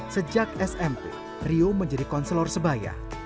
sejak smp rio menjadi konselor sebaya